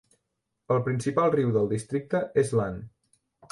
El principal riu del districte és Lahn.